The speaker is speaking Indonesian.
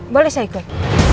boleh saya ikut